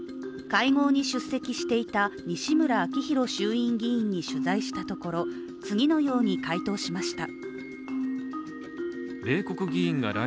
会合に出席していた西村明宏衆院議員に取材したところ次のように回答しました。